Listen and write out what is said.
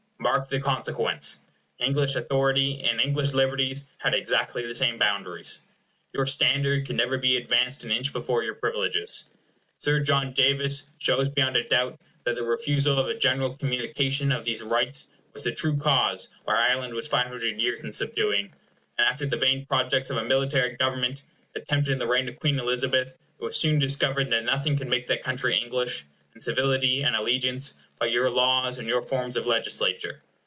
Mark the consequence. English authority and English liberties had exactly the same boundaries. Your standard could never be advanced an inch before your privileges. Sir John Davis shows beyond a doubt that the refusal of a general communication of these rights was the true cause why Ireland was five hundred years in subduing; and after the vain projects of a military government, attempted in the reign of Queen Elizabeth, it was soon discovered that nothing could make that country English, in civility and allegiance, but your laws and your forms of legislature.